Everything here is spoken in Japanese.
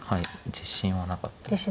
自信はなかったです。